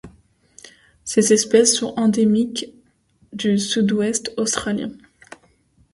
Ses espèces sont endémiques du sud-ouest australien.